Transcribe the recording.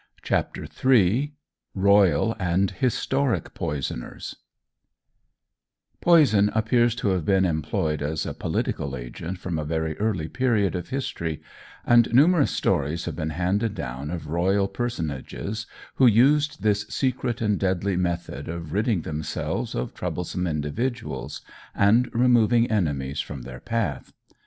CHAPTER III ROYAL AND HISTORIC POISONERS POISON appears to have been employed as a political agent from a very early period of history, and numerous stories have been handed down of royal personages who used this secret and deadly method of ridding themselves of troublesome individuals, and removing enemies from their path.